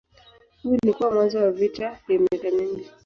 Huu ulikuwa mwanzo wa vita vya miaka mingi.